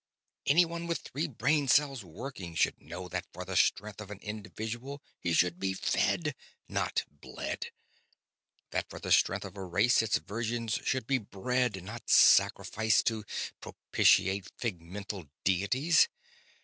Anyone with three brain cells working should know that for the strength of an individual he should be fed; not bled; that for the strength of a race its virgins should be bred, not sacrificed to propitiate figmental deities.